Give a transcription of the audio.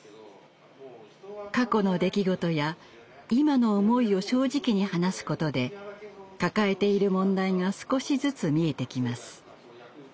過去の出来事や今の思いを正直に話すことで抱えている問題が少しずつ見えてきます。